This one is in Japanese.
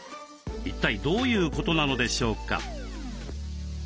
一体どういうことなのでしょうか？